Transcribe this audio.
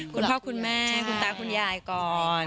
คุณพ่อคุณแม่คุณตาคุณยายก่อน